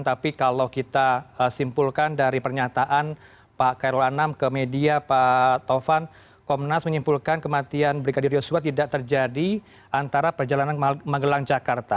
tapi kalau kita simpulkan dari pernyataan pak kairul anam ke media pak tovan komnas menyimpulkan kematian brigadir yosua tidak terjadi antara perjalanan magelang jakarta